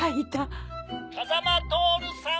「風間トオルさん」